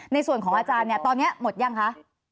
ในส่วนของอาจารย์เนี่ยตอนนี้หมดยังคะ